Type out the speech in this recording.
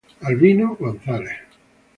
Albino González